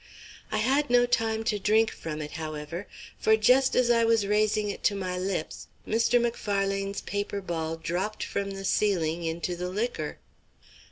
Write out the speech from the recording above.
I had no time to drink from it, however, for just as I was raising it to my lips Mr. Macfarlane's paper ball dropped from the ceiling into the liquor.